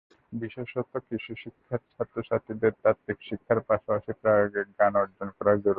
বিশেষত কৃষিশিক্ষার ছাত্রছাত্রীদের তাত্ত্বিক শিক্ষার পাশাপাশি প্রায়োগিক জ্ঞান অর্জন করা জরুরি।